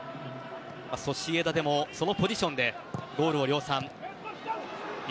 ソシエダでもそのポジションでゴールを量産している久保。